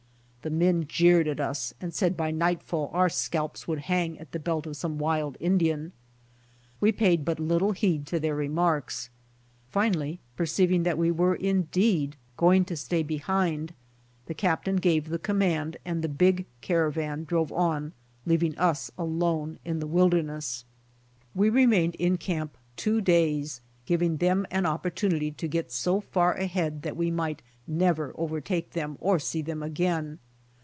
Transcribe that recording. The men jeered at us and said by nightfall our scalps would hang at the belt of some wild Indian. We paid but little heed to their remarks. Finally perceiving that we were indeed going to stay behind, INDEPENDENCE ROCK 83 the captain gave the command and the big caravan drove on leaving us alone in the wilderness. We remained in camp two days, giving them an opportun ity to get so far ahead that we might never overtake them or see them again.